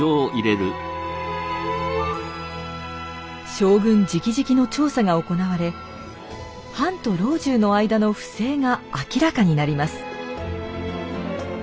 将軍じきじきの調査が行われ藩と老中の間の不正が明らかになります。